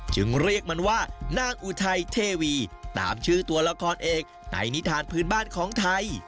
จึงเรียกมันว่านางอุทัยเทวีตามชื่อตัวละครเอกในนิทานพื้นบ้านของไทย